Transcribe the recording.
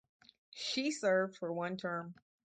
She served for one term.